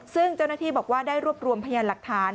ซึ่งเจ้าหน้าที่บอกว่าได้รวบรวมพยานหลักฐาน